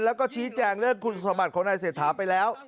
แล้วก็ชี้แจงเรื่องคุณสมบัติของนายเศรษฐาไปแล้ว